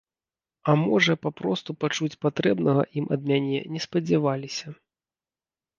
А можа, папросту пачуць патрэбнага ім ад мяне не спадзяваліся.